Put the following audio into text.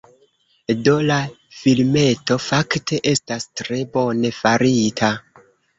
Do, la filmeto fakte estas tre bone farita